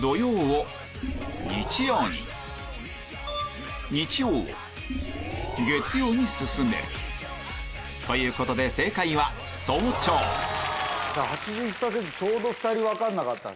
土曜を日曜に日曜を月曜に進めるということで正解は８１％ちょうど２人分からなかった。